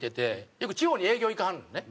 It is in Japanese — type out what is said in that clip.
よく地方に営業行かはるのね。